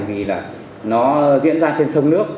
bởi vì nó diễn ra trên sông nước